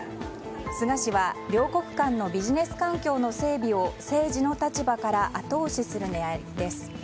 菅氏は両国間のビジネス環境の整備を政治の立場から後押しする狙いです。